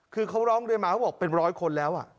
คือเขาร้องเรียนมาเขาบอกเป็นร้อยคนแล้ว